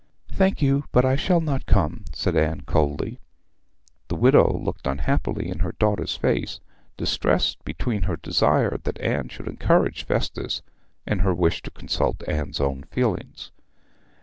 'Thank you, but I shall not come,' said Miss Anne coldly. The widow looked unhappily in her daughter's face, distressed between her desire that Anne should encourage Festus, and her wish to consult Anne's own feelings.